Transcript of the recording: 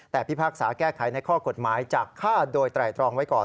แต่พิพากษาแก้ไขในข้อกฎหมายจากฆ่าโดยไตรตรองไว้ก่อน